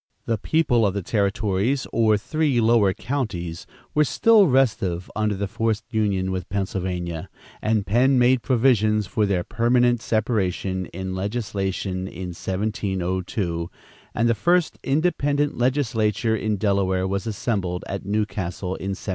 The people of the territories or three lower counties were still restive under the forced union with Pennsylvania, and Penn made provisions for their permanent separation in legislation, in 1702, and the first independent legislature in Delaware was assembled at New Castle in 1703.